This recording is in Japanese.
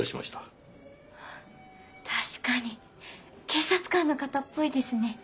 ああ確かに警察官の方っぽいですね。